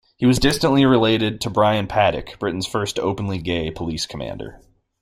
He was distantly related to Brian Paddick, Britain's first openly gay police commander.